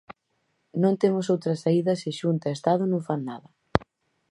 Non temos outra saída se Xunta e Estado non fan nada.